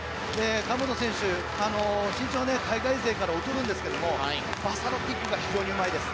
川本選手身長、海外勢から劣るんですがバサロキックが非常にうまいです。